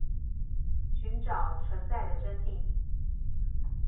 尋找存在的真諦